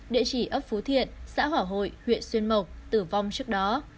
địa chỉ ấp phú thiện xã hỏa hội huyện xuyên mộc tử vong trước đó